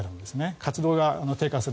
活動が低下する。